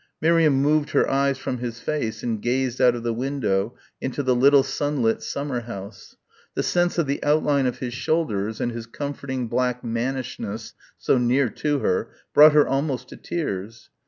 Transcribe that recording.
Miriam moved her eyes from his face and gazed out of the window into the little sunlit summer house. The sense of the outline of his shoulders and his comforting black mannishness so near to her brought her almost to tears.